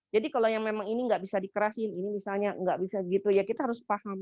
jadi kalau yang memang ini nggak bisa dikerasin ini misalnya nggak bisa gitu ya kita harus paham